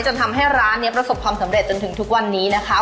จนทำให้ร้านนี้ประสบความสำเร็จจนถึงทุกวันนี้นะคะ